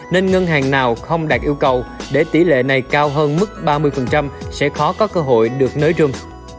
nên ngân hàng nào không đạt yêu cầu để tỷ lệ này cao hơn mức ba mươi sẽ khó có cơ hội được nới rừng